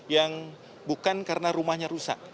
yang bukan karena rumahnya rusak